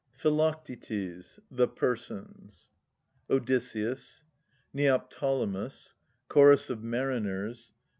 PHILOCTETES THE PERSONS Odysseus. Neoptolemus. Chorus of Mariners.